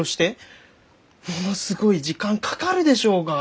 ものすごい時間かかるでしょうが！